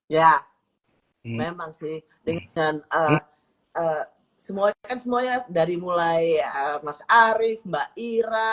iya memang sih di heston unus semua tans mo church dari mulai al mas arif ba irra